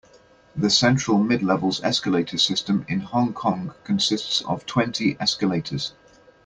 The Central-Midlevels escalator system in Hong Kong consists of twenty escalators.